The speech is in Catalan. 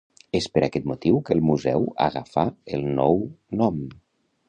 És per aquest motiu que el museu agafà el nou nom.